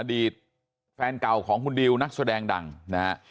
อดีตแฟนเก่าของคุณดิวนักแสดงดังนะฮะ